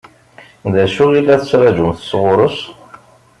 D acu i la tettṛaǧum sɣur-s?